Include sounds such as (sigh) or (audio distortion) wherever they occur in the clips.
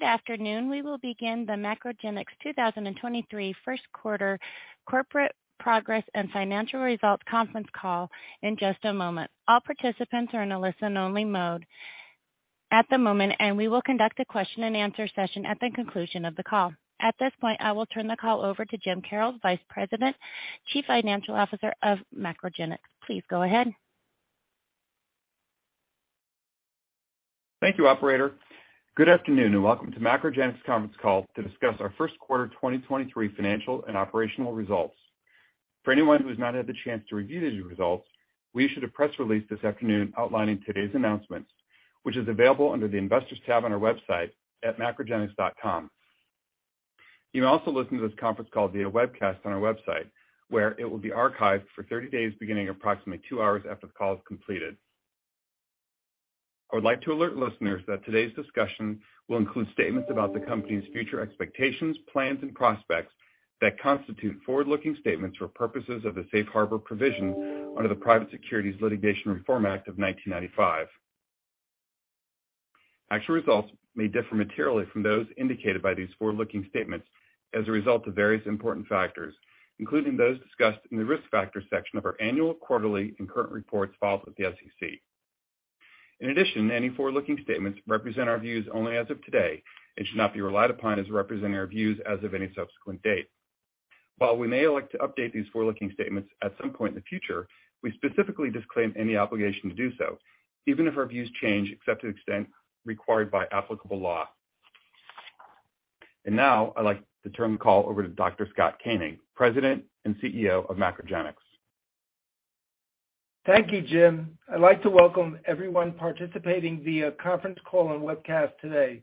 Good afternoon. We will begin the MacroGenics 2023 first quarter corporate progress and financial results conference call in just a moment. All participants are in a listen-only mode at the moment. We will conduct a Q&A session at the conclusion of the call. At this point, I will turn the call over to Jim Karrels, Vice President, Chief Financial Officer of MacroGenics. Please go ahead. Thank you, operator. Good afternoon, and welcome to MacroGenics' conference call to discuss our first quarter 2023 financial and operational results. For anyone who has not had the chance to review these results, we issued a press release this afternoon outlining today's announcements, which is available under the Investors tab on our website at macrogenics.com. You can also listen to this conference call via webcast on our website, where it will be archived for 30 days, beginning approximately two hours after the call is completed. I would like to alert listeners that today's discussion will include statements about the company's future expectations, plans, and prospects that constitute forward-looking statements for purposes of the safe harbor provision under the Private Securities Litigation Reform Act of 1995. Actual results may differ materially from those indicated by these forward-looking statements as a result of various important factors, including those discussed in the Risk Factors section of our annual, quarterly, and current reports filed with the SEC. Any forward-looking statements represent our views only as of today and should not be relied upon as representing our views as of any subsequent date. While we may elect to update these forward-looking statements at some point in the future, we specifically disclaim any obligation to do so, even if our views change, except to the extent required by applicable law. Now, I'd like to turn the call over to Dr. Scott Koenig, President and CEO of MacroGenics. Thank you, Jim. I'd like to welcome everyone participating via conference call and webcast today.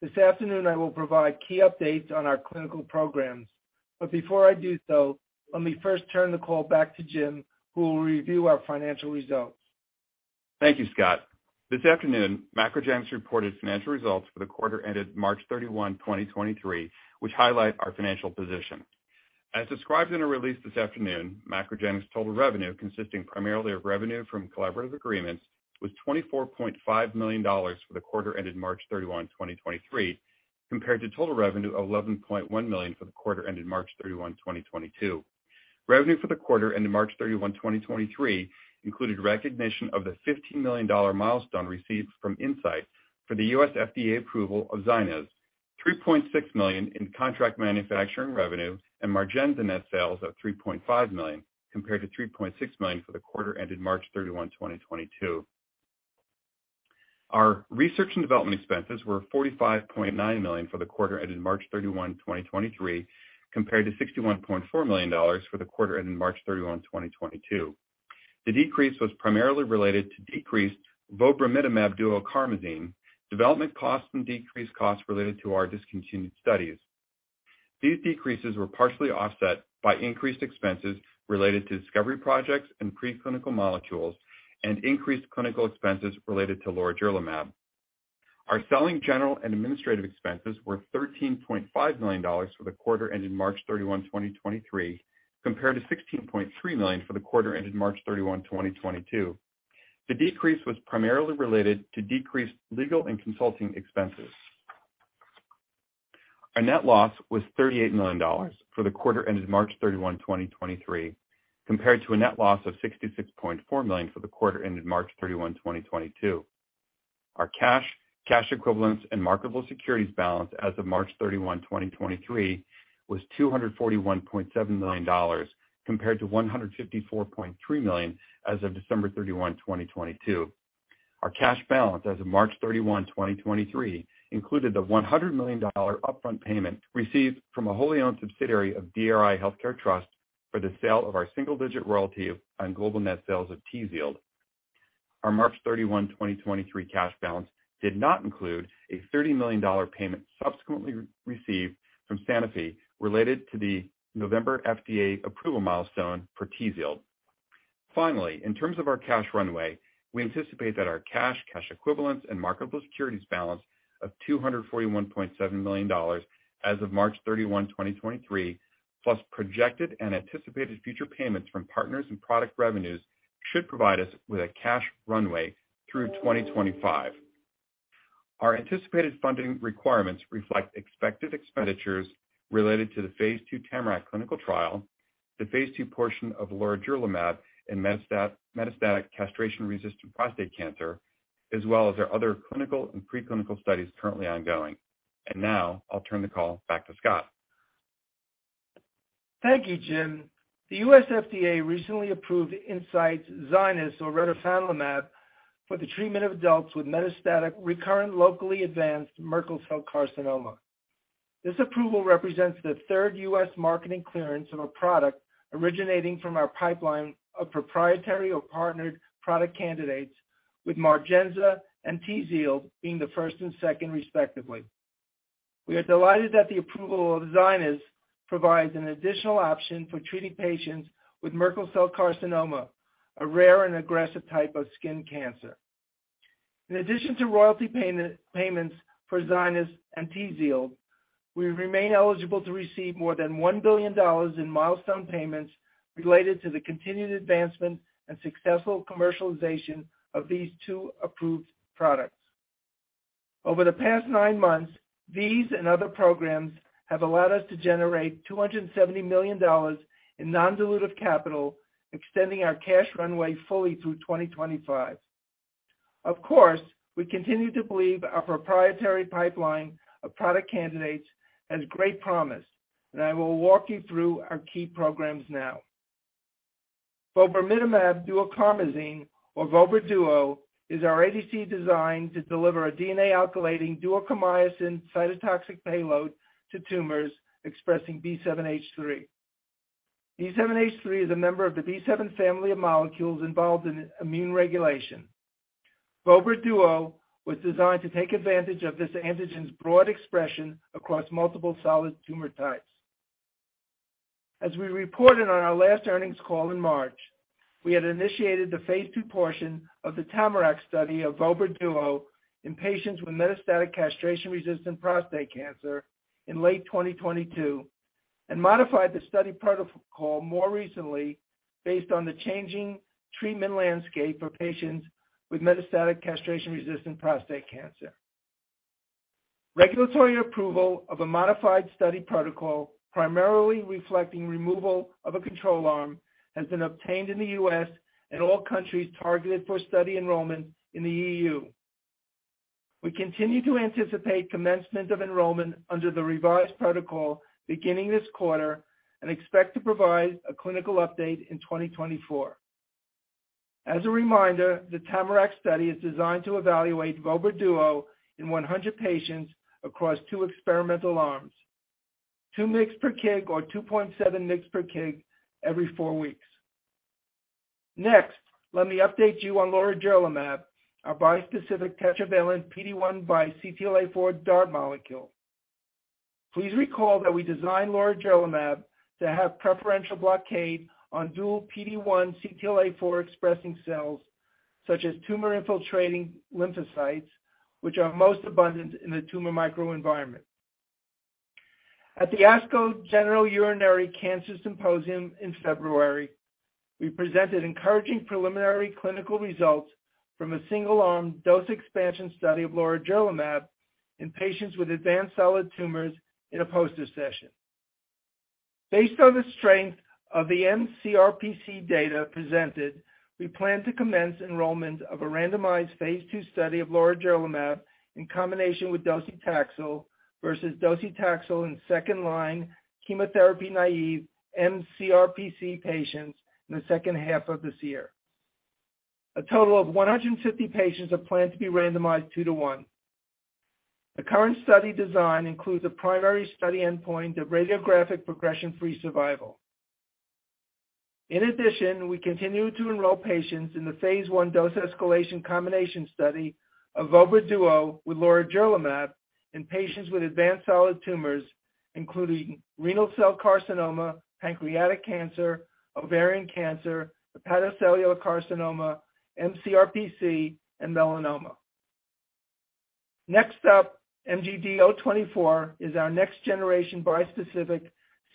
This afternoon, I will provide key updates on our clinical programs. Before I do so, let me first turn the call back to Jim, who will review our financial results. Thank you, Scott. This afternoon, MacroGenics reported financial results for the quarter ended March 31, 2023, which highlight our financial position. As described in a release this afternoon, MacroGenics' total revenue, consisting primarily of revenue from collaborative agreements, was $24.5 million for the quarter ended March 31, 2023, compared to total revenue of $11.1 million for the quarter ended March 31, 2022. Revenue for the quarter ended March 31, 2023 included recognition of the $15 million milestone received from Incyte for the U.S. FDA approval of ZYNYZ, $3.6 million in contract manufacturing revenue, and MARGENZA net sales of $3.5 million, compared to $3.6 million for the quarter ended March 31, 2022. Our research and development expenses were $45.9 million for the quarter ended March 31, 2023, compared to $61.4 million for the quarter ended March 31, 2022. The decrease was primarily related to decreased vobramitamab duocarmazine development costs and decreased costs related to our discontinued studies. These decreases were partially offset by increased expenses related to discovery projects and preclinical molecules and increased clinical expenses related to lorigerlimab. Our selling, general, and administrative expenses were $13.5 million for the quarter ended March 31, 2023, compared to $16.3 million for the quarter ended March 31, 2022. The decrease was primarily related to decreased legal and consulting expenses. Our net loss was $38 million for the quarter ended March 31, 2023, compared to a net loss of $66.4 million for the quarter ended March 31, 2022. Our cash equivalents, and marketable securities balance as of March 31, 2023 was $241.7 million compared to $154.3 million as of December 31, 2022. Our cash balance as of March 31, 2023 included the $100 million upfront payment received from a wholly owned subsidiary of DRI Healthcare Trust for the sale of our single-digit royalty on global net sales of TZIELD. Our March 31, 2023 cash balance did not include a $30 million payment subsequently received from Sanofi related to the November FDA approval milestone for TZIELD. Finally, in terms of our cash runway, we anticipate that our cash equivalents, and marketable securities balance of $241.7 million as of March 31, 2023, plus projected and anticipated future payments from partners and product revenues should provide us with a cash runway through 2025. Our anticipated funding requirements reflect expected expenditures related to the phase II TAMARACK clinical trial, the phase II portion of lorigerlimab in metastatic castration-resistant prostate cancer, as well as our other clinical and preclinical studies currently ongoing. Now I'll turn the call back to Scott. Thank you, Jim. The U.S. FDA recently approved Incyte's ZYNYZ or retifanlimab for the treatment of adults with metastatic recurrent locally advanced Merkel cell carcinoma. This approval represents the third U.S. marketing clearance of a product originating from our pipeline of proprietary or partnered product candidates with MARGENZA and TZIELD being the first and second, respectively. We are delighted that the approval of ZYNYZ provides an additional option for treating patients with Merkel cell carcinoma, a rare and aggressive type of skin cancer. In addition to royalty payments for ZYNYZ and TZIELD. We remain eligible to receive more than $1 billion in milestone payments related to the continued advancement and successful commercialization of these two approved products. Over the past nine months, these and other programs have allowed us to generate $270 million in non-dilutive capital, extending our cash runway fully through 2025. Of course, we continue to believe our proprietary pipeline of product candidates has great promise, and I will walk you through our key programs now. Vobramitamab duocarmazine, or vobra duo, is our ADC designed to deliver a DNA-alkylating duocarmycin cytotoxic payload to tumors expressing B7H3. B7H3 is a member of the B7 family of molecules involved in immune regulation. Vobra duo was designed to take advantage of this antigen's broad expression across multiple solid tumor types. As we reported on our last earnings call in March, we had initiated the phase II portion of the TAMARACK study of vobra duo in patients with metastatic castration-resistant prostate cancer in late 2022 and modified the study protocol more recently based on the changing treatment landscape for patients with metastatic castration-resistant prostate cancer. Regulatory approval of a modified study protocol, primarily reflecting removal of a control arm, has been obtained in the U.S. and all countries targeted for study enrollment in the EU. We continue to anticipate commencement of enrollment under the revised protocol beginning this quarter and expect to provide a clinical update in 2024. As a reminder, the TAMARACK study is designed to evaluate vobra duo in 100 patients across two experimental arms, 2 mg/kg or 2.7 mg/kg every four weeks. Next, let me update you on lorigerlimab, our bispecific tetravalent PD-1 x CTLA-4 DART molecule. Please recall that we designed lorigerlimab to have preferential blockade on dual PD-1 CTLA-4 expressing cells, such as tumor-infiltrating lymphocytes, which are most abundant in the tumor microenvironment. At the ASCO Genitourinary Cancers Symposium in February, we presented encouraging preliminary clinical results from a single-arm dose expansion study of lorigerlimab in patients with advanced solid tumors in a poster session. Based on the strength of the mCRPC data presented, we plan to commence enrollment of a randomized phase II study of lorigerlimab in combination with docetaxel versus docetaxel in second-line chemotherapy-naive mCRPC patients in the second half of this year. A total of 150 patients are planned to be randomized two to one. The current study design includes a primary study endpoint of radiographic progression-free survival. In addition, we continue to enroll patients in the phase I dose escalation combination study of vobra duo with lorigerlimab in patients with advanced solid tumors, including renal cell carcinoma, pancreatic cancer, ovarian cancer, hepatocellular carcinoma, mCRPC, and melanoma. Next up, MGD024 is our next-generation bispecific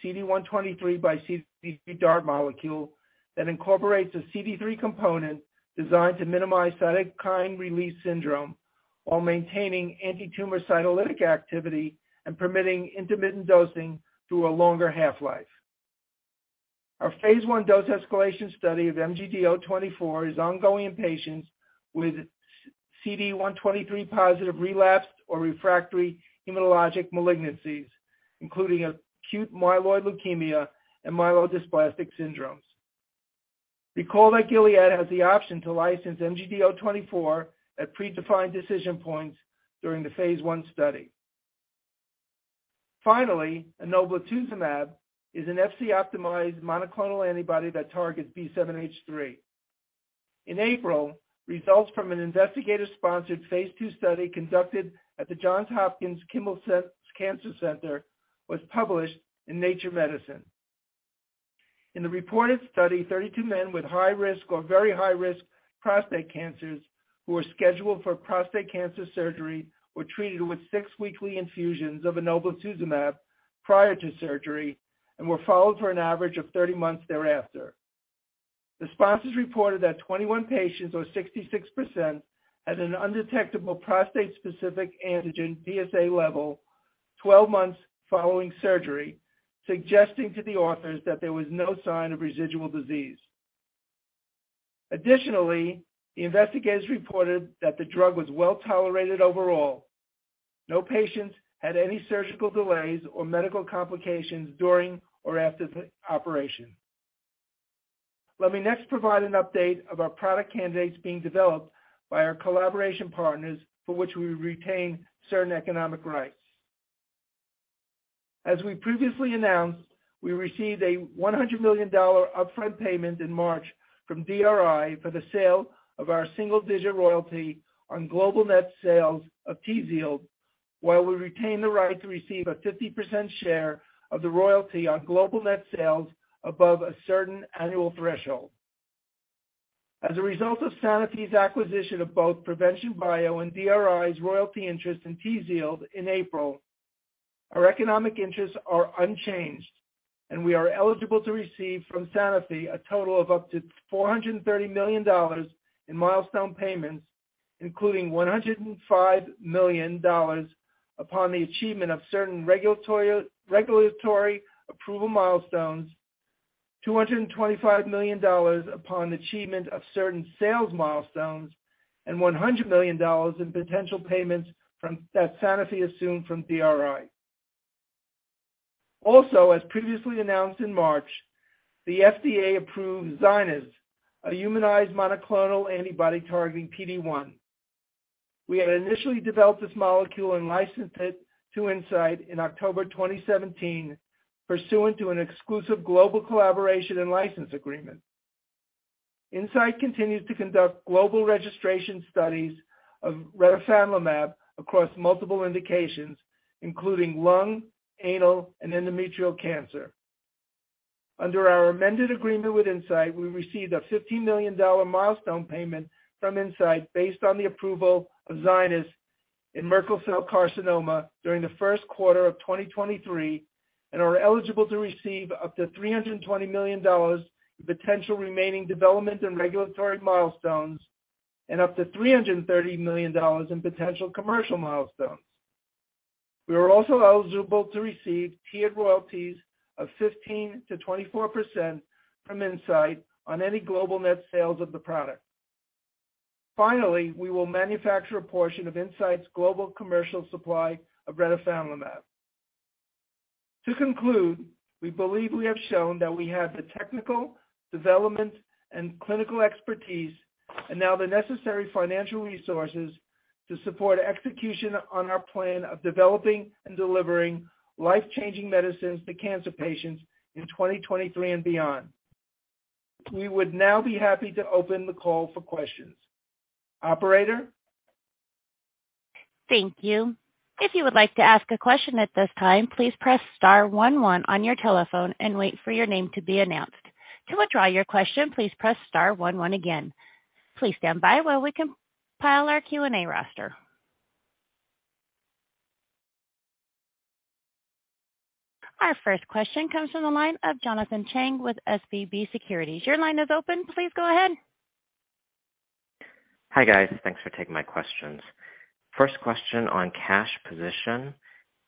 CD123 by CD3 DART molecule that incorporates a CD3 component designed to minimize cytokine release syndrome while maintaining antitumor cytolytic activity and permitting intermittent dosing through a longer half-life. Our phase I dose escalation study of MGD024 is ongoing in patients with CD123+ relapsed or refractory hematologic malignancies, including acute myeloid leukemia and myelodysplastic syndromes. Recall that Gilead has the option to license MGD024 at predefined decision points during the phase I study. Enoblituzumab is an Fc-optimized monoclonal antibody that targets B7-H3. In April, results from an investigator-sponsored phase II study conducted at the Johns Hopkins Kimmel Cancer Center was published in Nature Medicine. In the reported study, 32 men with high risk or very high-risk prostate cancers who were scheduled for prostate cancer surgery were treated with six weekly infusions of enoblituzumab prior to surgery and were followed for an average of 30 months thereafter. The sponsors reported that 21 patients, or 66%, had an undetectable prostate-specific antigen, PSA level 12 months following surgery, suggesting to the authors that there was no sign of residual disease. Additionally, the investigators reported that the drug was well-tolerated overall. No patients had any surgical delays or medical complications during or after the operation. Let me next provide an update of our product candidates being developed by our collaboration partners, for which we retain certain economic rights. As we previously announced, we received a $100 million upfront payment in March from DRI for the sale of our single-digit royalty on global net sales of TZIELD, while we retain the right to receive a 50% share of the royalty on global net sales above a certain annual threshold. As a result of Sanofi's acquisition of both Provention Bio and DRI's royalty interest in TZIELD in April, our economic interests are unchanged, and we are eligible to receive from Sanofi a total of up to $430 million in milestone payments, including $105 million upon the achievement of certain regulatory approval milestones, $225 million upon achievement of certain sales milestones, and $100 million in potential payments from that Sanofi assumed from DRI. Also, as previously announced in March, the FDA approved ZYNYZ, a humanized monoclonal antibody targeting PD-1. We had initially developed this molecule and licensed it to Incyte in October 2017 pursuant to an exclusive global collaboration and license agreement. Incyte continues to conduct global registration studies of retifanlimab across multiple indications, including lung, anal, and endometrial cancer. Under our amended agreement with Incyte, we received a $15 million milestone payment from Incyte based on the approval of ZYNYZ in Merkel cell carcinoma during the first quarter of 2023, and are eligible to receive up to $320 million in potential remaining development and regulatory milestones and up to $330 million in potential commercial milestones. We are also eligible to receive tiered royalties of 15%-24% from Incyte on any global net sales of the product. Finally, we will manufacture a portion of Incyte's global commercial supply of retifanlimab. To conclude, we believe we have shown that we have the technical development and clinical expertise and now the necessary financial resources to support execution on our plan of developing and delivering life-changing medicines to cancer patients in 2023 and beyond. We would now be happy to open the call for questions. Operator? Thank you. If you would like to ask a question at this time, please press star one one on your telephone and wait for your name to be announced. To withdraw your question, please press star one one again. Please stand by while we compile our Q&A roster. Our first question comes from the line of Jonathan Chang with SVB Securities. Your line is open. Please go ahead. Hi, guys. Thanks for taking my questions. First question on cash position.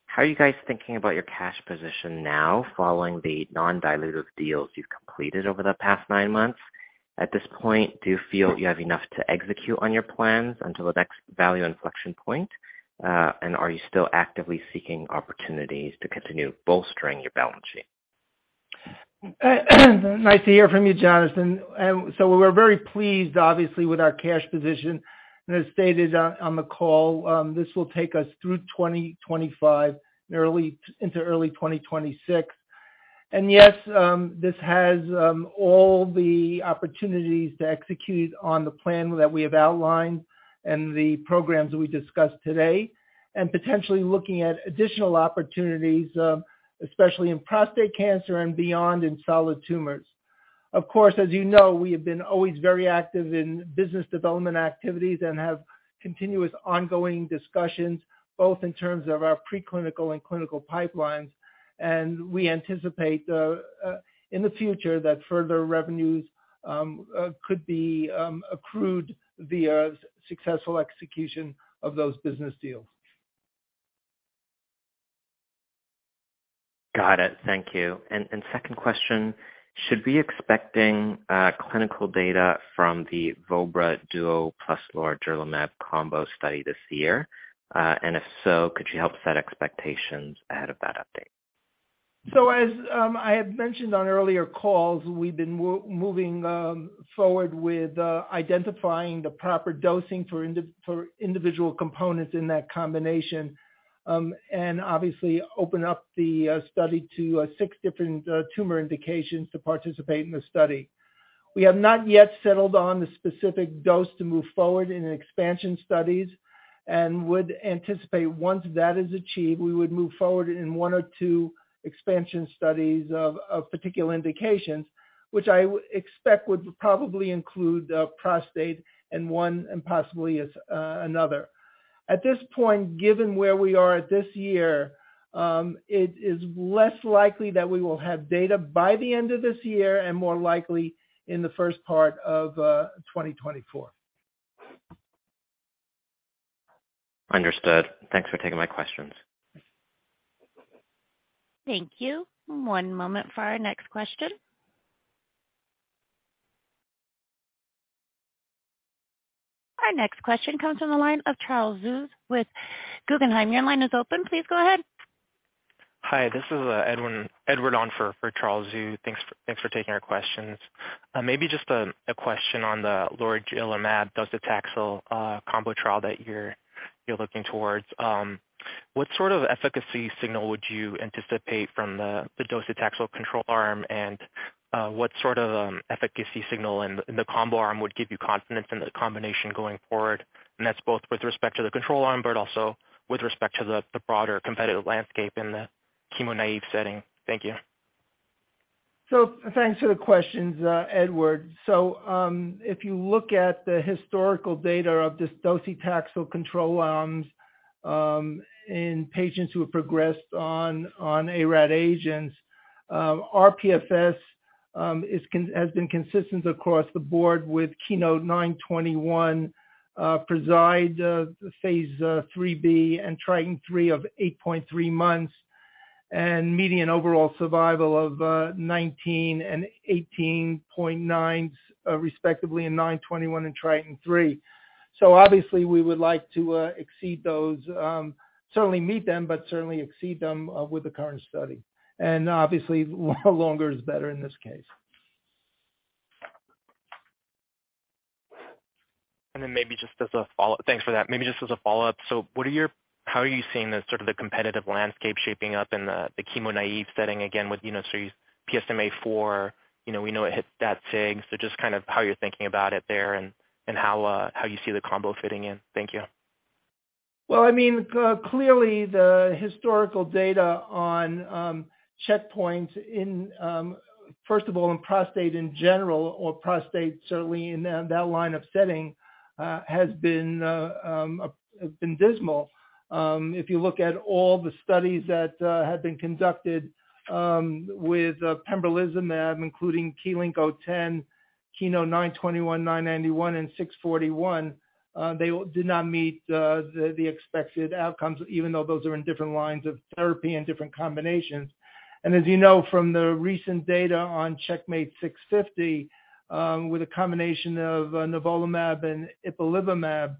How are you guys thinking about your cash position now following the non-dilutive deals you've completed over the past nine months? At this point, do you feel you have enough to execute on your plans until the next value inflection point? Are you still actively seeking opportunities to continue bolstering your balance sheet? Nice to hear from you, Jonathan. We're very pleased obviously, with our cash position. As stated on the call, this will take us through 2025 and into early 2026. Yes, this has all the opportunities to execute on the plan that we have outlined and the programs we discussed today and potentially looking at additional opportunities, especially in prostate cancer and beyond in solid tumors. Of course, as you know, we have been always very active in business development activities and have continuous ongoing discussions, both in terms of our preclinical and clinical pipelines. We anticipate in the future that further revenues could be accrued via successful execution of those business deals. Got it. Thank you. Second question, should we expecting clinical data from the vobra duo plus lorigerlimab combo study this year? And if so, could you help set expectations ahead of that update? As I had mentioned on earlier calls, we've been moving forward with identifying the proper dosing for individual components in that combination, and obviously open up the study to six different tumor indications to participate in the study. We have not yet settled on the specific dose to move forward in expansion studies and would anticipate once that is achieved, we would move forward in one or two expansion studies of particular indications, which I expect would probably include prostate and one and possibly another. At this point, given where we are at this year, it is less likely that we will have data by the end of this year and more likely in the first part of 2024. Understood. Thanks for taking my questions. Thank you. One moment for our next question. Our next question comes from the line of Charles Zhu with Guggenheim. Your line is open. Please go ahead. Hi, this is Edward on for Charles Zhu. Thanks for taking our questions. Maybe just a question on the lorigerlimab docetaxel combo trial that you're looking towards. What sort of efficacy signal would you anticipate from the docetaxel control arm? What sort of efficacy signal in the combo arm would give you confidence in the combination going forward? That's both with respect to the control arm, but also with respect to the broader competitive landscape in the chemo-naive setting. Thank you. Thanks for the questions, Edward. If you look at the historical data of this docetaxel control arms, in patients who have progressed on ARAD agents, our RPFS has been consistent across the board with KEYNOTE-921, preside, phase III-B, and TRITON3 of 8.3 months, and median overall survival of 19 and 18.9, respectively in 921 and TRITON3. Obviously we would like to exceed those, certainly meet them, but certainly exceed them with the current study. Obviously, well, longer is better in this case. Maybe just as a follow-up. Thanks for that. How are you seeing the sort of the competitive landscape shaping up in the chemo-naive setting again with, you know, PSMA for, you know, we know it hits that sig, just kind of how you're thinking about it there and how you see the combo fitting in. Thank you. Well, I mean, clearly the historical data on checkpoint in first of all, in prostate in general or prostate certainly in that line of setting has been dismal. If you look at all the studies that have been conducted with pembrolizumab, including KEYLYNK-010, KEYNOTE-921, KEYNOTE-991, and KEYNOTE-641, they did not meet the expected outcomes, even though those are in different lines of therapy and different combinations. As you know from the recent data on CheckMate 650 with a combination of nivolumab and ipilimumab,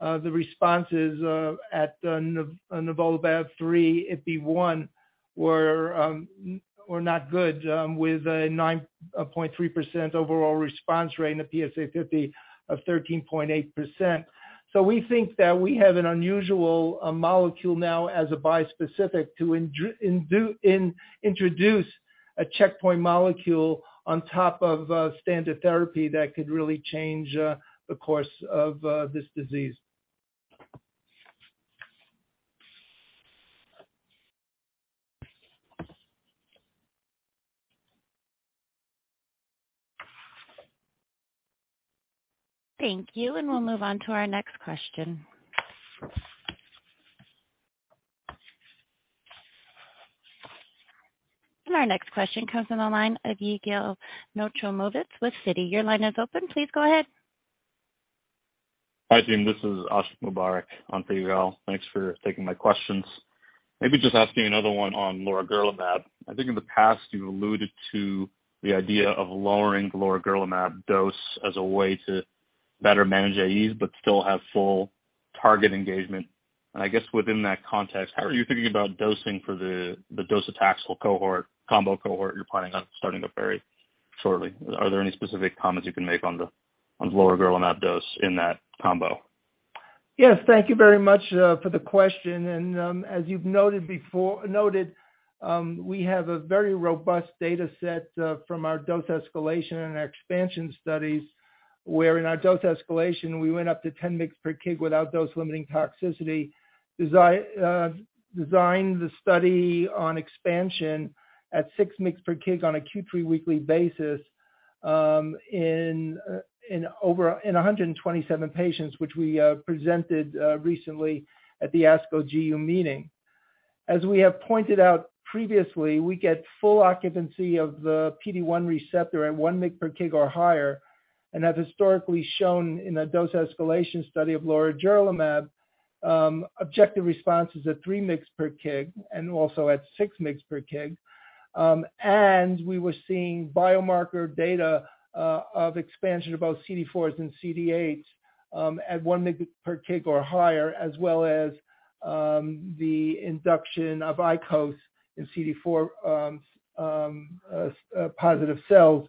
the responses at the nivolumab 3, Ipi 1 were not good with a 9.3% overall response rate and a PSA 50 of 13.8%. We think that we have an unusual molecule now as a bispecific to introduce a checkpoint molecule on top of standard therapy that could really change the course of this disease. Thank you. We'll move on to our next question. Our next question comes from the line of Yigal Nochomovitz with Citi. Your line is open. Please go ahead. Hi, team. This is Ashiq Mubarack on for Yigal. Thanks for taking my questions. Maybe just asking another one on lorigerlimab. I think in the past you alluded to the idea of lowering lorigerlimab dose as a way to better manage AEs, but still have full target engagement. I guess within that context, how are you thinking about dosing for the docetaxel cohort, combo cohort you're planning on starting up very shortly? Are there any specific comments you can make on the, on lorigerlimab dose in that combo? Yes. Thank you very much for the question. As you've noted, we have a very robust data set from our dose escalation and expansion studies, where in our dose escalation we went up to 10 mg/kg without dose-limiting toxicity. Designed the study on expansion at 6 mg/kg on a Q3 weekly basis in over 127 patients, which we presented recently at the ASCO GU meeting. As we have pointed out previously, we get full occupancy of the PD-1 receptor at 1 mg/kg or higher, and have historically shown in a dose escalation study of lorigerlimab, objective responses at 3 mg/kg and also at 6 mg/kg. And we were seeing biomarker data of expansion of both CD4s and CD8s at 1 mg/kg or higher, as well as the induction of ICOS in CD4 positive cells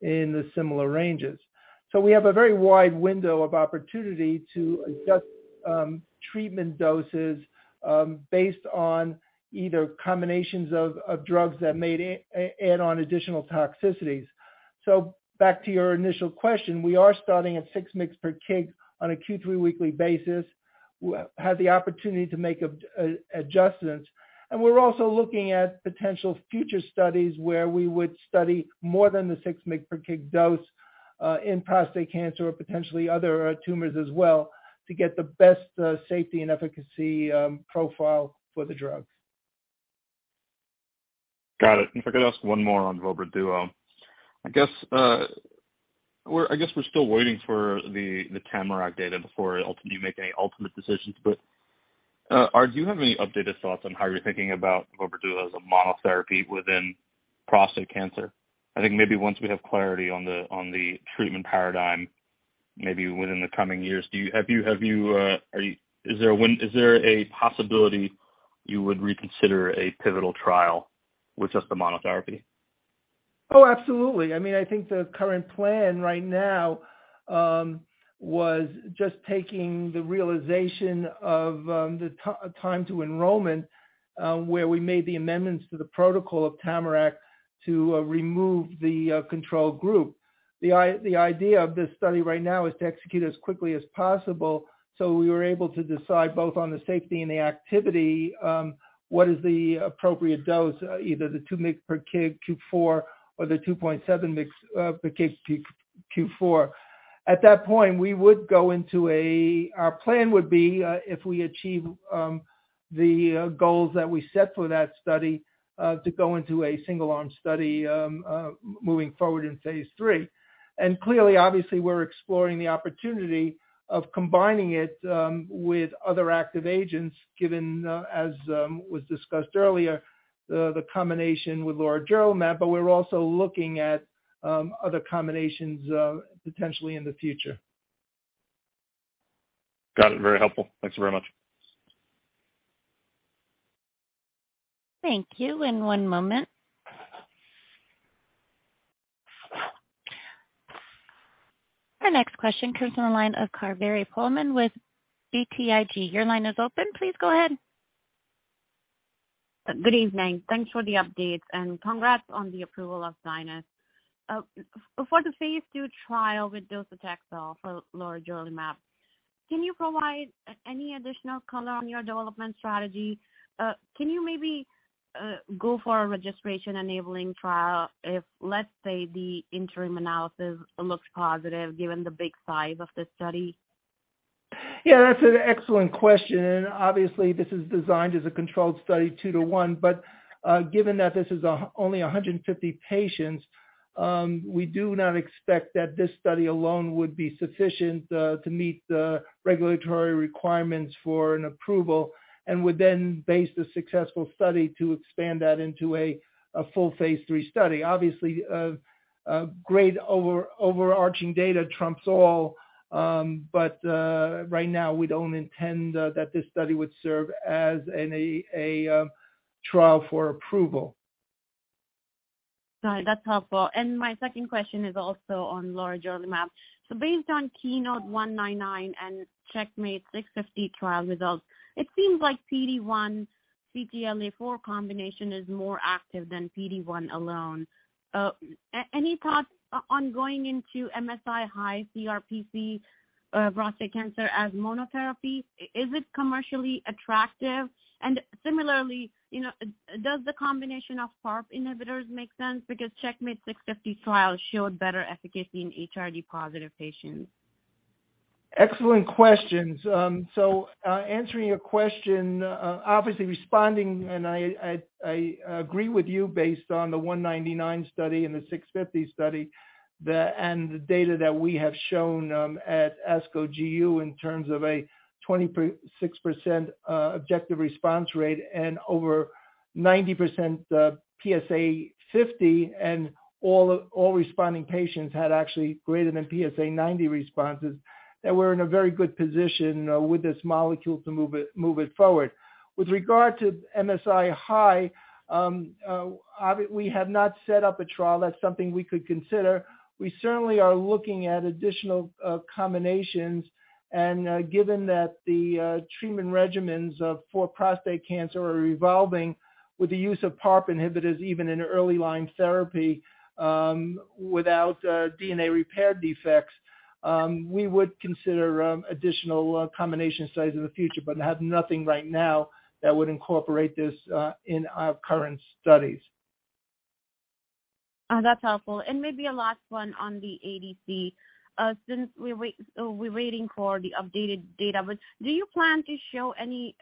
in the similar ranges. We have a very wide window of opportunity to adjust treatment doses based on either combinations of drugs that may add on additional toxicities. Back to your initial question, we are starting at 6 mg/kg on a Q3 weekly basis. We have the opportunity to make adjustments. We're also looking at potential future studies where we would study more than the 6 mg/kg dose in prostate cancer or potentially other tumors as well, to get the best safety and efficacy profile for the drug. Got it. If I could ask one more on vobra duo. I guess we're still waiting for the TAMARACK data before you make any ultimate decisions. Do you have any updated thoughts on how you're thinking about vobra duo as a monotherapy within prostate cancer? I think maybe once we have clarity on the treatment paradigm, maybe within the coming years, have you, is there a possibility you would reconsider a pivotal trial with just the monotherapy? Oh, absolutely. I mean, I think the current plan right now was just taking the realization of the time to enrollment, where we made the amendments to the protocol of TAMARACK to remove the control group. The idea of this study right now is to execute as quickly as possible so we were able to decide both on the safety and the activity, what is the appropriate dose, either the 2 mg/kg Q4 or the 2.7 mg/kg Q4. At that point, our plan would be, if we achieve the goals that we set for that study, to go into a single arm study moving forward in phase III. Clearly, obviously, we're exploring the opportunity of combining it with other active agents, given as was discussed earlier, the combination with lorigerlimab, but we're also looking at other combinations potentially in the future. Got it. Very helpful. Thanks very much. Thank you. In one moment. Our next question comes from the line of Kaveri Pohlman with BTIG. Your line is open. Please go ahead. Good evening. Thanks for the updates, and congrats on the approval of ZYNYZ. For the phase II trial with docetaxel for lorigerlimab, can you provide any additional color on your development strategy? Can you maybe go for a registration-enabling trial if, let's say, the interim analysis looks positive given the big size of the study? Yeah, that's an excellent question. Obviously this is designed as a controlled study two to one. Given that this is only 150 patients, we do not expect that this study alone would be sufficient to meet the regulatory requirements for an approval and would then base the successful study to expand that into a full phase III study. Obviously, great overarching data trumps all, right now we don't intend that this study would serve as an trial for approval. All right. That's helpful. My second question is also on lorigerlimab. Based on KEYNOTE-199 and CheckMate 650 trial results, it seems like PD-1 CTLA-4 combination is more active than PD-1 alone. Any thoughts on going into MSI-high CRPC, prostate cancer as monotherapy? Is it commercially attractive? Similarly, you know, does the combination of PARP inhibitors make sense because CheckMate 650 trial showed better efficacy in HRD positive patients? Excellent questions. Answering your question, obviously responding, and I, I agree with you based on the 199 study and the 650 study, and the data that we have shown at ASCO GU in terms of a 26% objective response rate and over 90% PSA 50 and all responding patients had actually greater than PSA 90 responses, that we're in a very good position with this molecule to move it forward. With regard to MSI-high, we have not set up a trial. That's something we could consider. We certainly are looking at additional combinations. Given that the treatment regimens for prostate cancer are evolving with the use of PARP inhibitors, even in early line therapy, without DNA repair defects, we would consider additional combination studies in the future, but have nothing right now that would incorporate this in our current studies. That's helpful. Maybe a last one on the ADC. Since we're waiting for the updated data, but do you plan to show any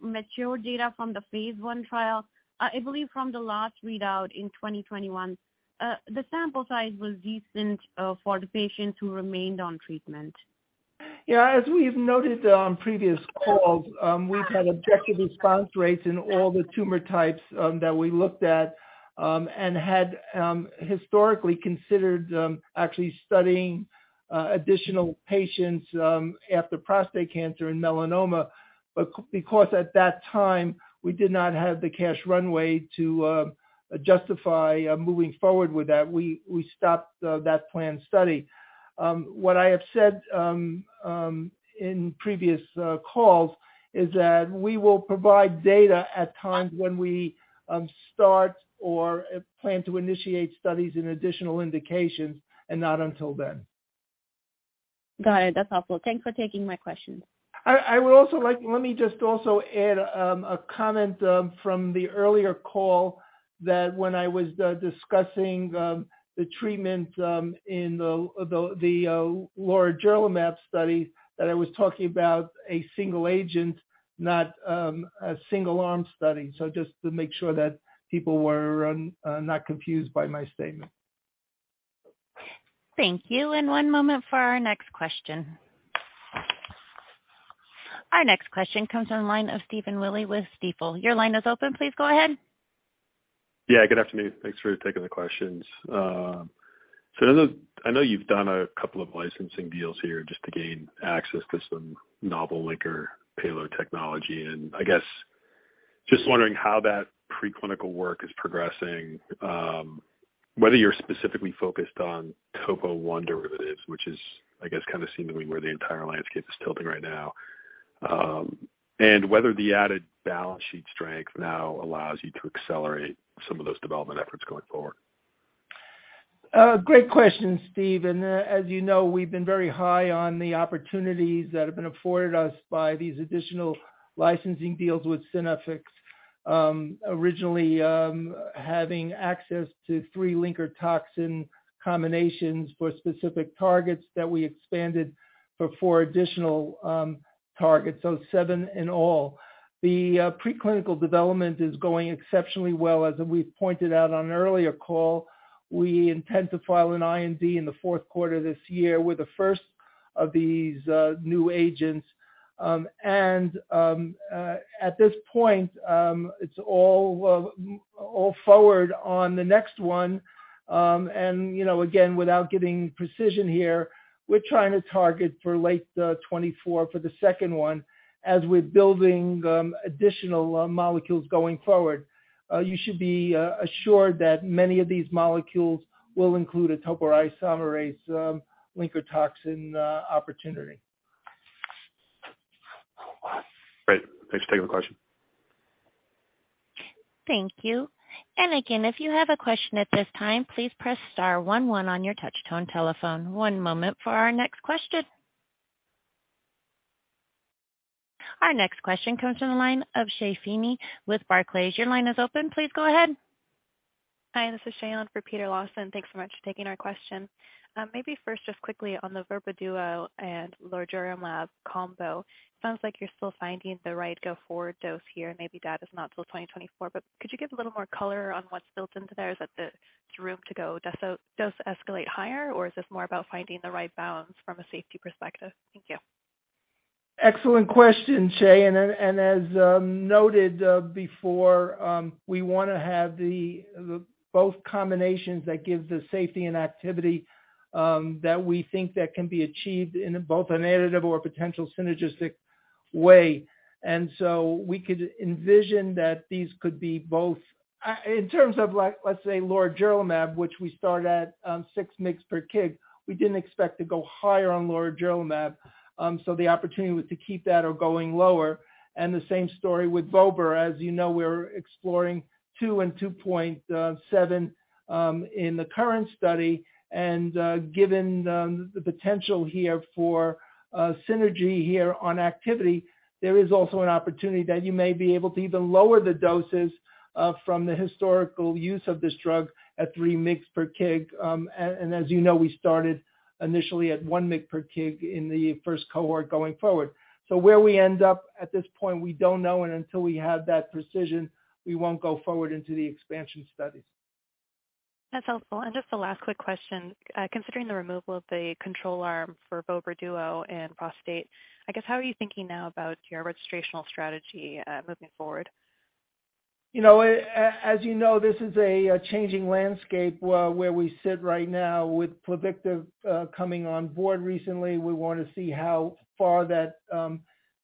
mature data from the phase I trial? I believe from the last readout in 2021, the sample size was decent for the patients who remained on treatment. Yeah, as we've noted on previous calls, we've had objective response rates in all the tumor types that we looked at and had historically considered actually studying additional patients after prostate cancer and melanoma. Because at that time, we did not have the cash runway to justify moving forward with that, we stopped that planned study. What I have said in previous calls is that we will provide data at times when we start or plan to initiate studies in additional indications and not until then. Got it. That's helpful. Thanks for taking my questions. Let me just also add a comment from the earlier call that when I was discussing the treatment in the lorigerlimab study, that I was talking about a single agent, not a single arm study. Just to make sure that people were not confused by my statement. Thank you. One moment for our next question. Our next question comes from the line of Stephen Willey with Stifel. Your line is open. Please go ahead. Yeah, good afternoon. (audio distortion) I know you've done a couple of licensing deals here just to gain access to some novel linker payload technology. I guess, just wondering how that preclinical work is progressing, whether you're specifically focused on Topo 1 derivatives, which is, I guess, kind of seemingly where the entire landscape is tilting right now. Whether the added balance sheet strength now allows you to accelerate some of those development efforts going forward. Great question, Steve. As you know, we've been very high on the opportunities that have been afforded us by these additional licensing deals with Synaffix. Originally, having access to three linker toxin combinations for specific targets that we expanded for four additional targets. Seven in all. The preclinical development is going exceptionally well. As we've pointed out on an earlier call, we intend to file an IND in the fourth quarter this year with the first of these new agents. At this point, it's all all forward on the next one. You know, again, without getting precision here, we're trying to target for late 2024 for the second one as we're building additional molecules going forward. You should be assured that many of these molecules will include a topoisomerase linker toxin opportunity. Great. Thanks for taking the question. Thank you. Again, if you have a question at this time, please press star one one on your touch tone telephone. One moment for our next question. Our next question comes from the line of Shea Feeney with Barclays. Your line is open. Please go ahead. Hi, this is Shea on for Peter Lawson. Thanks so much for taking our question. Maybe first, just quickly on the vobra duo and lorigerlimab combo, sounds like you're still finding the right go forward dose here, and maybe that is not till 2024. Could you give a little more color on what's built into there? Is that the room to go dose escalate higher, or is this more about finding the right balance from a safety perspective? Thank you. Excellent question, Shea. And as noted before, we wanna have both combinations that give the safety and activity that we think can be achieved in both an additive or potential synergistic way. We could envision that these could be both. In terms of, like, let's say lorigerlimab, which we start at 6 mg/kg, we didn't expect to go higher on lorigerlimab. The opportunity was to keep that or going lower. The same story with vobra duo. As you know, we're exploring 2 and 2.7 in the current study. Given the potential here for synergy here on activity, there is also an opportunity that you may be able to even lower the doses from the historical use of this drug at 3 mg/kg. As you know, we started initially at 1 mg/kg in the first cohort going forward. Where we end up at this point, we don't know. Until we have that precision, we won't go forward into the expansion studies. That's helpful. Just a last quick question. Considering the removal of the control arm for vobra duo in prostate, I guess, how are you thinking now about your registrational strategy moving forward? You know, as you know, this is a changing landscape, where we sit right now with Pluvicto, coming on board recently. We wanna see how far that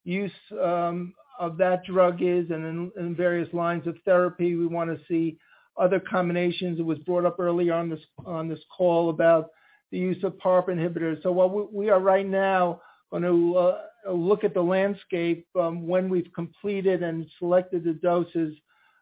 use of that drug is in various lines of therapy. We wanna see other combinations. It was brought up early on this call about the use of PARP inhibitors. What we are right now going to look at the landscape when we've completed and selected the doses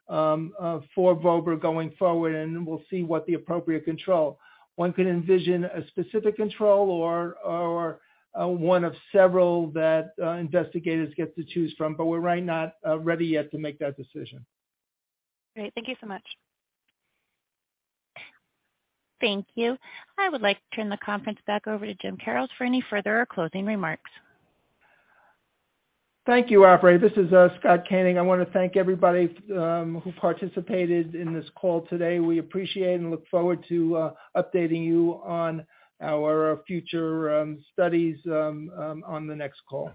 for vobra going forward, and we'll see what the appropriate control. One could envision a specific control or one of several that investigators get to choose from. We're right not ready yet to make that decision. Great. Thank you so much. Thank you. I would like to turn the conference back over to Jim Karrels for any further closing remarks. Thank you, operator. This is Scott Koenig. I wanna thank everybody who participated in this call today. We appreciate and look forward to updating you on our future studies on the next call.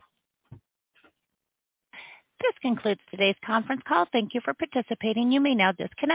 This concludes today's conference call. Thank you for participating. You may now disconnect.